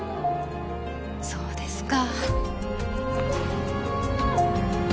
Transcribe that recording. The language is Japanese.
そうですか。